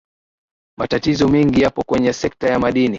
matatizo mengi yapo kwenye sekta ya madini